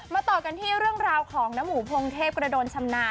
ต่อกันที่เรื่องราวของน้าหมูพงเทพกระโดนชำนาญ